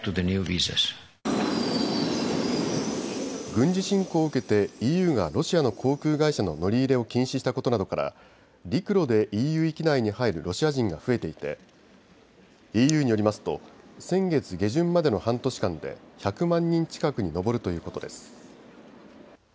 軍事侵攻を受けてＥＵがロシアの航空会社の乗り入れを禁止したことなどから陸路でＥＵ域内に入るロシア人が増えていてＥＵによりますと先月下旬までの半年間で１００万人近くに上るということです。